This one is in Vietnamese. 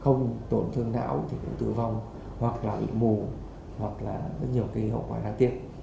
không tổn thương não thì cũng tử vong hoặc là bị mù hoặc là rất nhiều cái hậu quả đáng tiếc